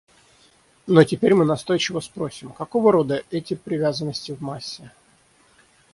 Но теперь мы настойчиво спросим: какого рода эти привязанности в массе?